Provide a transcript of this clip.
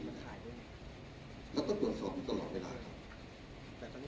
เราก็ตรวจสอบทั้งตลอดเวลาครับ